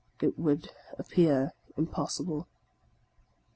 It would appear impossible.